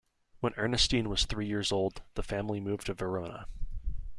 When Ernestine was three years old, the family moved to Verona.